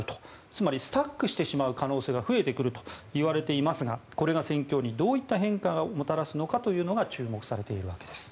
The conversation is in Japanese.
つまりスタックしまう可能性が増えてくるといわれていますがこれが戦況にどういった変化をもたらすのか注目されているわけです。